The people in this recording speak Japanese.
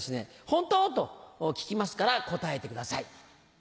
「本当？」と聞きますから答えてください。